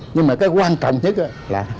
nhưng mà cái quan trọng nhất là